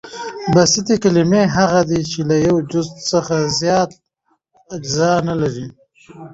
بسیطي کلیمې هغه دي، چي له یوه جز څخه زیات اجزا نه لري.